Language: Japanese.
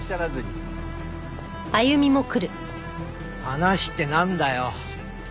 話ってなんだよ？